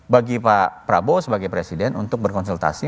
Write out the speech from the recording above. bagi pak prabowo sebagai presiden untuk berkonsultasi